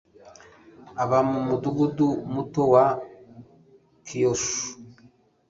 Aba mu mudugudu muto wa Kyushu.